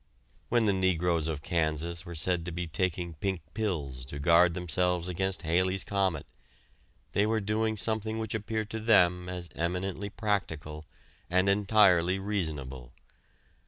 When the negroes of Kansas were said to be taking pink pills to guard themselves against Halley's Comet, they were doing something which appeared to them as eminently practical and entirely reasonable.